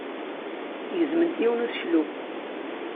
Gezment yiwen n useklu.